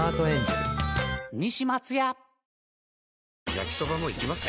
焼きソバもいきます？